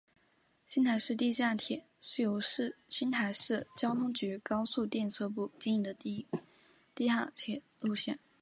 仙台市地下铁是由仙台市交通局高速电车部经营的地下铁路线。